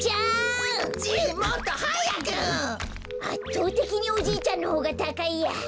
あっとうてきにおじいちゃんのほうがたかいや。